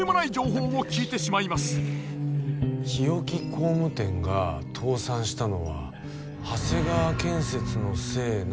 日置工務店が倒産したのは長谷川建設のせいなのではって。